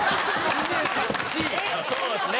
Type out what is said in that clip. そうですね。